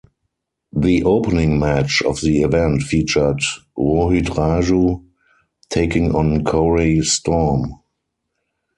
The opening match of the event featured Rohit Raju taking on Corey Storm.